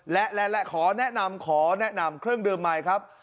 และขอแนะนำเครื่องดื่มใหม่ครับ